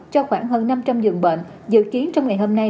cho khoảng hơn năm trăm linh dường bệnh dự kiến trong ngày hôm nay